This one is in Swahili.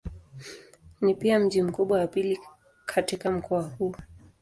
Ni pia mji mkubwa wa pili katika mkoa huu.